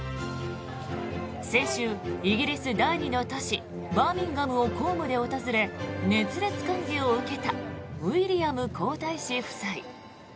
先週、イギリス第２の都市バーミンガムを公務で訪れ熱烈歓迎を受けたウィリアム皇太子夫妻。